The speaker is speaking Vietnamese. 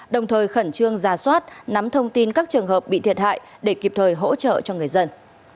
đồng thời khẩn trương ra soát nắm thông tin các trường hợp bị thiệt hại để kịp thời hỗ trợ cho người dân